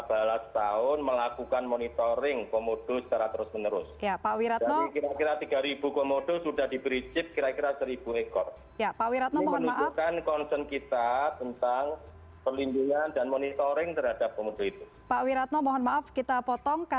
apakah ini terjadi dengan komodo ini